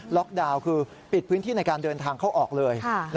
ดาวน์คือปิดพื้นที่ในการเดินทางเข้าออกเลย